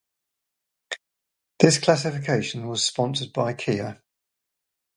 This classification was sponsored by Kia.